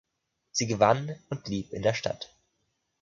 Sie gewann und blieb in der Stadt.